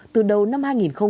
từ đầu năm hai nghìn một mươi tám